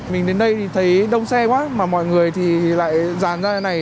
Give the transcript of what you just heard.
mình đến đây thì thấy đông xe quá mà mọi người thì lại dàn ra này